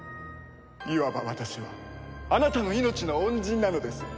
いわば私はあなたの命の恩人なのです。